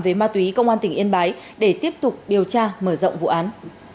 về ma túy công an tỉnh yên bái để tiếp tục điều tra mở rộng vụ án